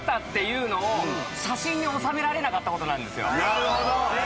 なるほど。